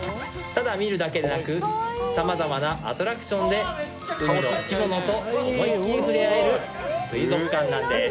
ただ見るだけでなくさまざまなアトラクションで海の生き物と思いっきり触れ合える水族館なんです